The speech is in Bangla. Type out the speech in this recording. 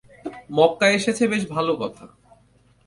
মক্কায় এসেছে বেশ ভাল কথা।